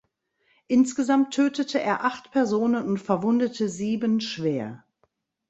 Insgesamt tötete er acht Personen und verwundete sieben schwer.